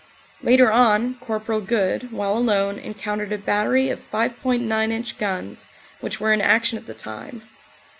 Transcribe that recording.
Later on, Cpl. Good, while alone, encountered a battery of 5.9 inch guns, which were in action at the time.